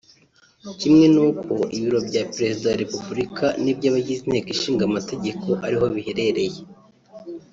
kimwe n’uko ibiro bya Perezida wa Repubulika n’iby’abagize Inteko Ishinga Amategeko ariho biherereye